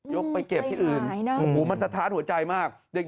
ยกไปเก็บที่อื่นมันสะท้าหัวใจมากใครหายนะ